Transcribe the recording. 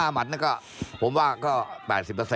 ๕หมัดผมว่าก็๘๐แล้ว